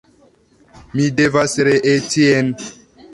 Mi devas ree tien.